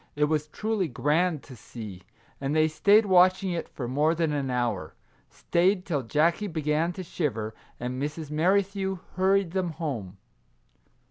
It was truly grand to see, and they stayed watching it for more than an hour ; stayed till Jackie began to shiver, and Mrs. Merrithew hurried them home.